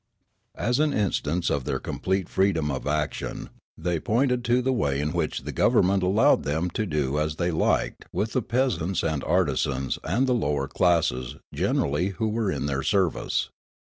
As an instance of their complete freedom of action they pointed to the way in which the government allowed them to do as they liked with the peasants and artisans and the lower classes generall}' who were in their service.